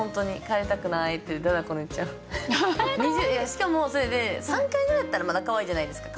しかもそれで３回ぐらいだったらまだかわいいじゃないですか。